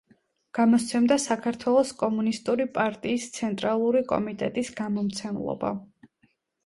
გამოსცემდა საქართველოს კომუნისტური პარტიის ცენტრალური კომიტეტის გამომცემლობა.